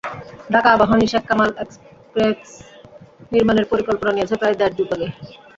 Dhaka Abahani Sheikh Kamal complex নির্মাণের পরিকল্পনা নিয়েছে প্রায় দেড় যুগ আগে।